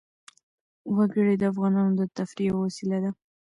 وګړي د افغانانو د تفریح یوه وسیله ده.